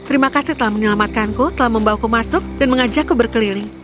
terima kasih telah menyelamatkanku telah membawaku masuk dan mengajakku berkeliling